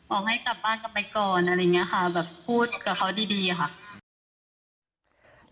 ให้กลับบ้านกลับไปก่อนอะไรอย่างนี้ค่ะแบบพูดกับเขาดีดีอะค่ะ